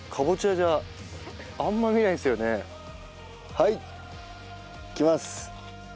はいいきます。